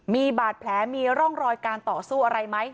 มีบาดแผลมีร่องรอยการต่อสู้อะไรไหม